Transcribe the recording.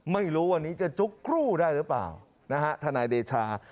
ไม่รู้วันนี้จะจุ๊กครู่ได้หรือเปล่านะฮะทนายเดชา